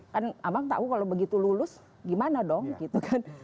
kan abang tahu kalau begitu lulus gimana dong gitu kan